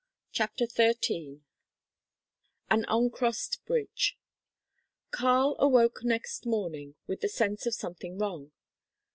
CHAPTER XIII AN UNCROSSED BRIDGE Karl awoke next morning with the sense of something wrong.